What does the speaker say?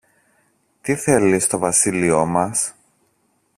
Τι θέλει στο βασίλειο μας;